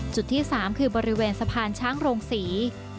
จุดที่๓คือบริเวณสะพานช้างโรงศรี